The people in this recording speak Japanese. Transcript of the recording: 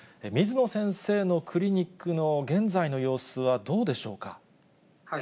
水野先生のクリニックの現在の様子はどうでしょうか。